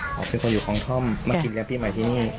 อ๋อเป็นคนอยู่ของท่อมมากินเรียนพี่ใหม่ที่นี่